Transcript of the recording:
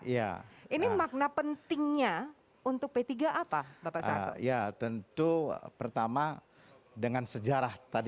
jangan lupa untuk berikan duit kepada tuhan